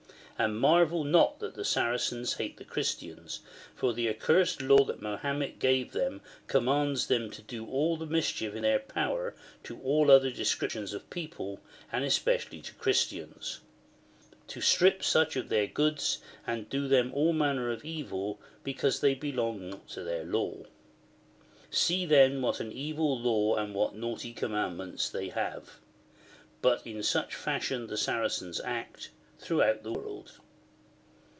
And marvel not that the Saracens hate the Christians ; for the accursed law that Ma hommet gave them commands them to do all the mischief in their power to all other descriptions of people, and especially to Christians ; to strip such of their goods, and do them all manner of evil, because they belong not to their law. See then what an evil law and what naughty commandments they have ! But in such fashion the Saracens act, throuohout the world.